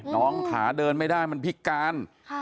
น้องขาเดินไม่ได้มันพิการ